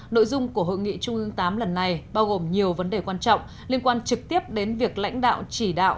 nội dung của hội nghị chung mương tám lần này bao gồm nhiều vấn đề quan trọng liên quan trực tiếp đến việc lãnh đạo chỉ đạo